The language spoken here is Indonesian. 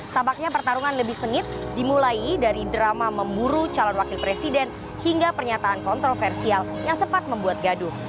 tampaknya pertarungan lebih sengit dimulai dari drama memburu calon wakil presiden hingga pernyataan kontroversial yang sempat membuat gaduh